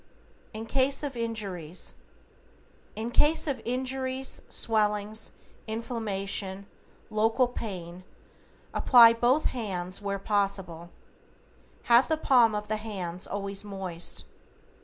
=IN CASE OF INJURIES:= In case of injuries, swellings, inflammation, local pain, apply both hands where possible. Have the palm of the hands always moist.